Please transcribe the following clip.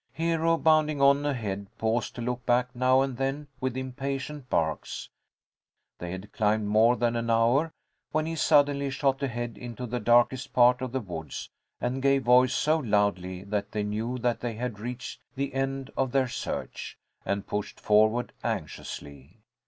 Hero, bounding on ahead, paused to look back now and then, with impatient barks. They had climbed more than an hour, when he suddenly shot ahead into the darkest part of the woods and gave voice so loudly that they knew that they had reached the end of their search, and pushed forward anxiously.